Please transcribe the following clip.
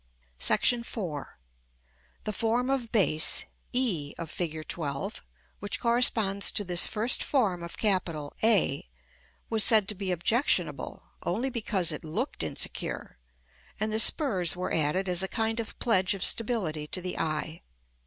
§ IV. The form of base, e of Fig. XII., which corresponds to this first form of capital, a, was said to be objectionable only because it looked insecure; and the spurs were added as a kind of pledge of stability to the eye.